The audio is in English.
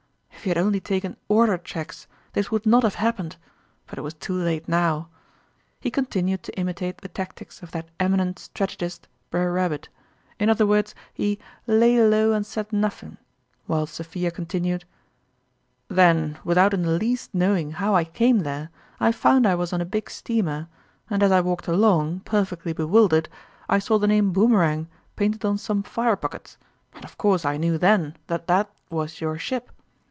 If he had only taken "order" cheques, this would not have happened, but it was too late now ! He continued to imitate the tactics of that eminent strategist, Brer Rabbit ; in other words, he "lay low and said nuffin," while Sophia continued :" Then, without in the least knowing how I came there, I found I was on a big steamer, and as I walked along, perfectly bewildered, I saw the name Boomerang painted on some fire buckets, and of course I knew then that that was your ship.